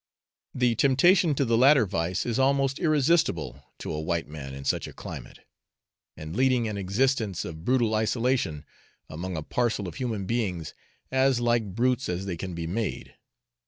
The temptation to the latter vice is almost irresistible to a white man in such a climate, and leading an existence of brutal isolation, among a parcel of human beings as like brutes as they can be made.